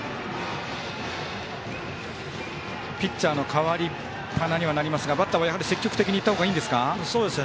ピッチャーの代わりっぱなにはなりますがバッターはやはり積極的にいった方がいいんですか。